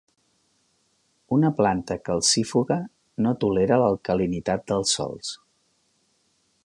Una planta calcífuga no tolera l'alcalinitat dels sòls.